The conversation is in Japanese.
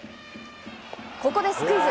ここでスクイズ。